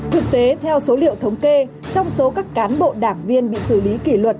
thực tế theo số liệu thống kê trong số các cán bộ đảng viên bị xử lý kỷ luật